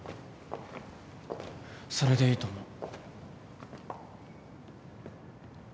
それでいいと思う。